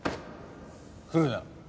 来るな。